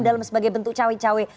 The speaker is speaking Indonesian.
dalam sebagai bentuk cawe cawe